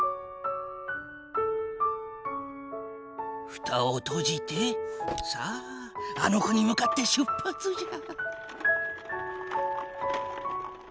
ふたをとじてさああの子に向かって出発じゃ。